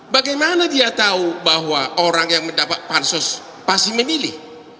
bagaimana dia tahu bahwa orang yang mendapat pansus pasti memilih